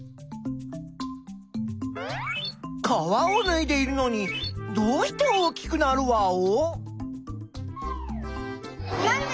皮をぬいでいるのにどうして大きくなるワオ？